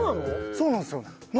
そうなんですよ。